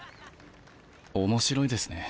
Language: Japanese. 面白いですね